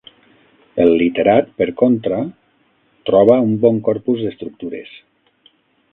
El literat, per contra, troba un bon corpus d’estructures.